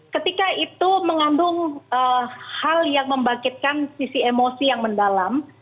ketika itu mengandung hal yang membangkitkan sisi emosi yang mendalam